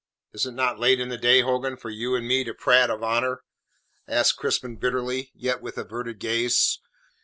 "Is it not late in the day, Hogan, for you and me to prate of honour?" asked Crispin bitterly, yet with averted gaze.